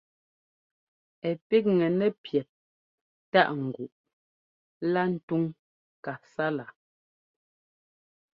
Ɛ píkŋɛ nɛ píɛp tâʼ nguʼ lá ntuŋ kasálaa.